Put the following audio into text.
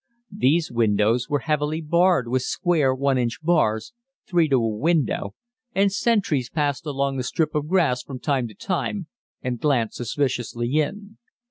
These windows were heavily barred with square one inch bars, three to a window, and sentries passed along the strip of grass from time to time and glanced suspiciously in.